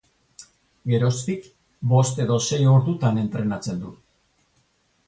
Geroztik bost edo sei ordutan entrenatzen du.